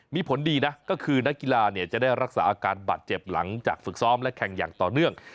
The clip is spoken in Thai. มีผลดีนะก็คือนักกีฬาจะได้รักษาอาการบาดเจ็บหลังจากฝึกซ้อมและแข่งอย่างต่อเนื่อง